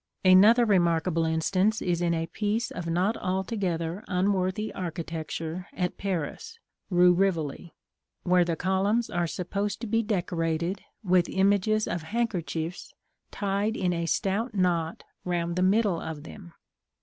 Another remarkable instance is in a piece of not altogether unworthy architecture at Paris (Rue Rivoli), where the columns are supposed to be decorated with images of handkerchiefs tied in a stout knot round the middle of them.